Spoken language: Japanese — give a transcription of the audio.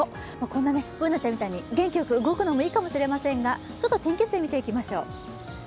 こんなＢｏｏｎａちゃんみたいに元気よく動くのもいいかもしれませんがちょっと天気図で見ていきましょう。